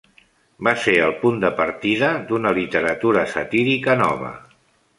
Va ser el punt de partida d'una literatura satírica nova.